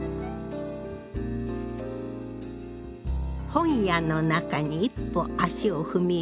本屋の中に一歩足を踏み入れると。